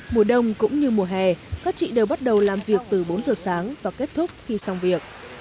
mùa đông cũng như mùa hè các chị đều bắt đầu làm việc từ bốn giờ sáng và kết thúc khi xong việc